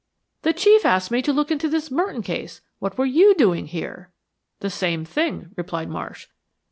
"The Chief asked me to look into this Merton case. What were YOU doing here?" "The same thing," replied Marsh.